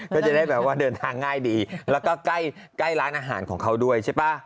ก็จะได้แบบว่าเดินทางง่ายดีแล้วก็ใกล้ร้านอาหารของเขาด้วยใช่ป่ะ